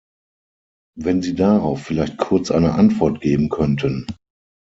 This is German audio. Wenn Sie darauf vielleicht kurz eine Antwort geben könnten.